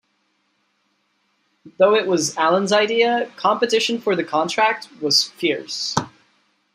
Though it was Allan's idea, competition for the contract was fierce.